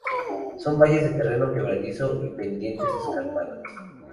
Son valles de terreno quebradizo y pendientes escarpadas.